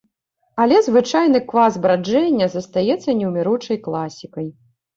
Але звычайны квас браджэння застаецца неўміручай класікай.